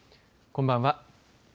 こんばんは。